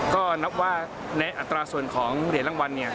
ก็นับว่าในอัตราส่วนของเหรียญรางวัลเนี่ย